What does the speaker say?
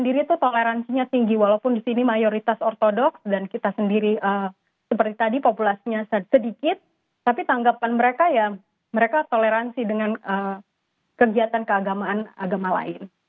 dan kegiatan mereka juga sangat tinggi walaupun disini mayoritas ortodoks dan kita sendiri seperti tadi populasinya sedikit tapi tanggapan mereka ya mereka toleransi dengan kegiatan keagamaan agama lain